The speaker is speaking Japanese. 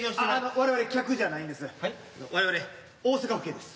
我々客じゃないんです。